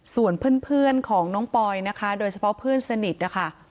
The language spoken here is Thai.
ส่วนเพื่อนของน้องปอยนะคะโดยเฉพาะเพื่อนสนิทนะคะ